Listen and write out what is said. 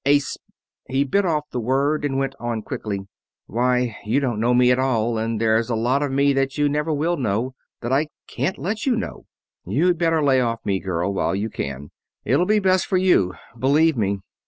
A sp ..." he bit off the word and went on quickly: "Why, you don't know me at all, and there's a lot of me that you never will know that I can't let you know! You'd better lay off me, girl, while you can. It'll be best for you, believe me."